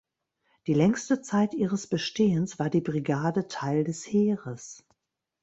Die längste Zeit ihres Bestehens war die Brigade Teil des Heeres.